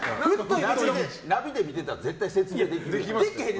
ナビで見てたら絶対説明できるって。